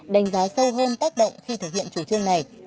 đánh giá sâu hơn tác động khi thực hiện chủ trương này